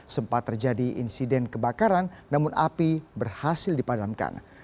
sempat terjadi insiden kebakaran namun api berhasil dipadamkan